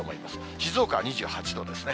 静岡は２８度ですね。